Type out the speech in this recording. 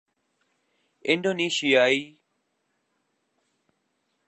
انڈونیثیائی